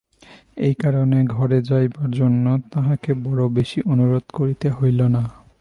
এই কারণে ঘরে যাইবার জন্য তাঁহাকে বড়ো বেশি অনুরোধ করিতে হইল না।